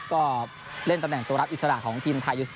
ก็เล่นตำแหน่งตัวรับอิสระของทีมไทย